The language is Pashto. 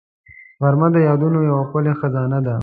غرمه د یادونو یو ښکلې خزانه ده